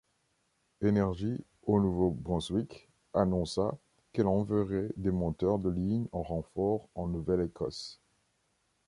Énergie au Nouveau-Brunswick annonça qu'elle enverrait des monteurs de ligne en renfort en Nouvelle-Écosse.